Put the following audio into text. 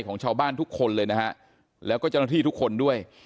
ของชาวบ้านทุกคนเลยนะฮะแล้วก็เจ้าหน้าที่ทุกคนด้วย